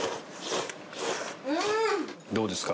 Δ鵝どうですか？